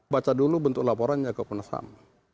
baca dulu bentuk laporannya ke komnas ham